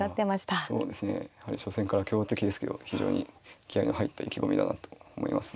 そうですねやはり初戦から強敵ですけど非常に気合いの入った意気込みだなと思いますね。